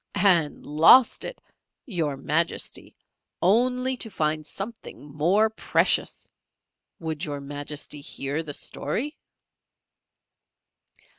"And lost it Your Majesty only to find something more precious! Would Your Majesty hear the story?"